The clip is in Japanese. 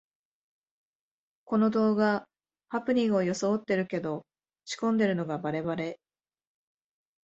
この動画、ハプニングをよそおってるけど仕込んでるのがバレバレ